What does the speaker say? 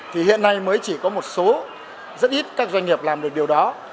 thì hiện nay mới chỉ có một số rất ít các doanh nghiệp làm được điều đó